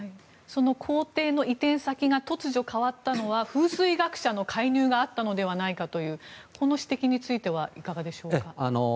その公邸の移転先が突如変わったのは風水学者の介入があったのではないかというこの指摘についてはいかがでしょうか。